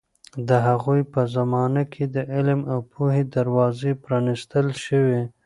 د هغوی په زمانه کې د علم او پوهې دروازې پرانیستل شوې.